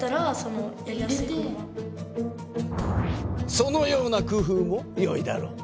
そのような工夫もよいだろう。